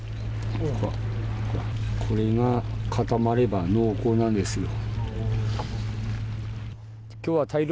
これが、かたまれば濃厚なんすよ。